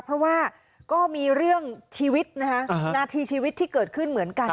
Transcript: เพราะว่าก็มีเรื่องชีวิตนะคะนาทีชีวิตที่เกิดขึ้นเหมือนกัน